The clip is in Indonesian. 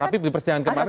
tapi di persidangan kemarin